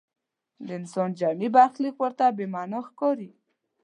د انسان جمعي برخلیک ورته بې معنا ښکاري.